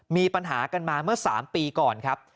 มีปัญหากันมาเมื่อ๓ปีก่อนครับ